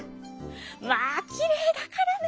まあきれいだからね。